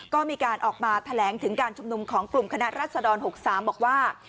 ก็มีการออกมาแถลงถึงการชุมนุมของกลุ่มคณะรัศดร๖๓บอกว่า